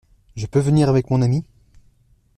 Je peux venir avec mon ami ?